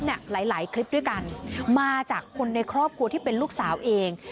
หลายหลายคลิปด้วยกันมาจากคนในครอบครัวที่เป็นลูกสาวเอง